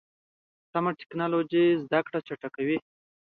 سمه ټکنالوژي زده کړه چټکوي.